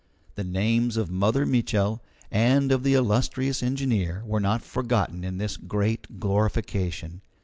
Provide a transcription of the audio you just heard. The names of Mother Mitchel and of the illustrious engineer were not forgotten in this great glorification.